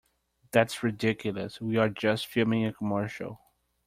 That's ridiculous, we're just filming a commercial.